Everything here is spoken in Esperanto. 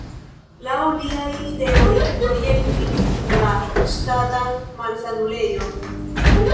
Laŭ liaj ideoj projektis la Ŝtatan malsanulejon.